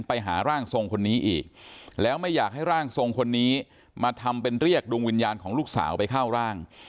ไปหาร่างทรงคนนี้อีกแล้วไม่อยากให้ร่างทรงคนนี้มาทำเป็นเรียกดวงวิญญาณของลูกสาวไปเข้าร่าง